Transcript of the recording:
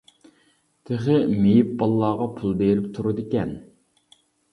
تېخى مېيىپ بالىلارغا پۇل بېرىپ تۇرىدىكەن.